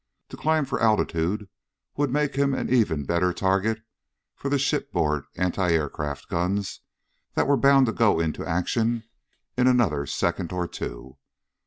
To climb for altitude would make him an even better target for the shipboard anti aircraft guns that were bound to go into action in another second or two.